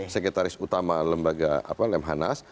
sekretaris utama lembaga lemhanas